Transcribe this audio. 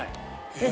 えっ？